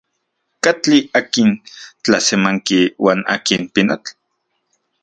¿Katli akin tlasemanki uan akin pinotl?